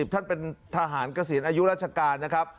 ท่านเป็นทหารเกษียณอายุราชการนะครับ